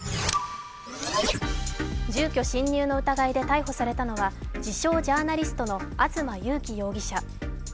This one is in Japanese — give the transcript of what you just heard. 住居侵入の疑いで逮捕されたのは、自称・ジャーナリストの東優樹容疑者。